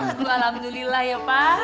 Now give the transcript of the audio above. alhamdulillah ya pak